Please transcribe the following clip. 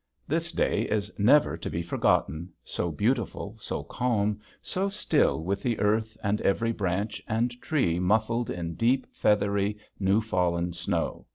This day is never to be forgotten, so beautiful, so calm, so still with the earth and every branch and tree muffled in deep, feathery, new fallen snow.